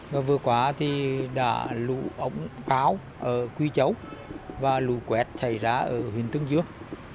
và vừa qua thì đã lũ ống cáo ở quy chấu và lũ quẹt xảy ra ở huyền tương dương